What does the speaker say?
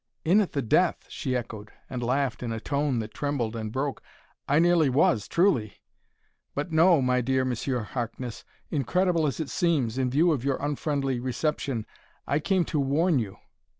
"In at the death!" she echoed, and laughed in a tone that trembled and broke. "I nearly was, truly. But, no, my dear Monsieur Harkness: incredible as it seems, in view of your unfriendly reception, I came to warn you!...